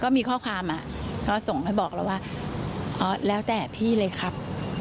มีข้อความก็ส่งให้บอกเราว่าอ๋อแล้วแต่พี่เลยครับ